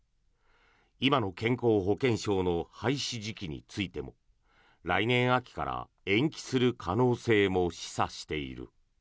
今の健康保険証の廃止時期についても来年秋から延期する可能性も示唆している。